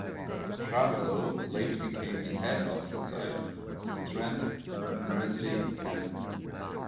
Shardlow later became the head office site of the Trent and Mersey Canal.